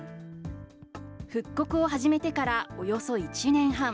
復刻を始めてからおよそ１年半。